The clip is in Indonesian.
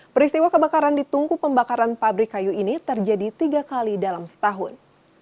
peristiwa kebakaran di tungku pembakaran pabrik kayu ini terjadi tiga kali dalam setahun